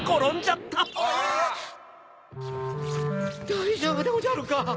だいじょうぶでおじゃるか？